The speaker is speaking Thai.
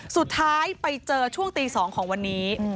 สุดท้ายไปเจอช่วงตี๒ของวันนี้